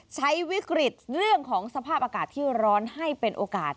ใช้วิกฤตเรื่องของสภาพอากาศที่ร้อนให้เป็นโอกาส